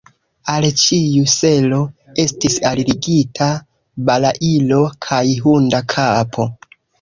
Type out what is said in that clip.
Al ĉiu selo estis alligita balailo kaj hunda kapo.